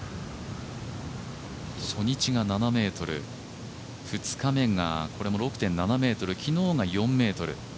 初日が７ｍ２日目が６．７ｍ、昨日が４ｍ。